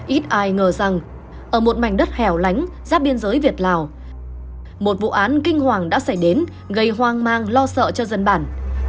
ít ai ngờ rằng ở một mảnh đất hẻo lánh giáp biên giới việt lào một vụ án kinh hoàng đã xảy đến gây hoang mang lo sợ cho dân bản